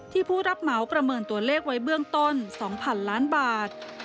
ผู้รับเหมาประเมินตัวเลขไว้เบื้องต้น๒๐๐๐ล้านบาท